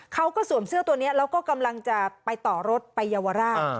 สวมเสื้อตัวนี้แล้วก็กำลังจะไปต่อรถไปเยาวราช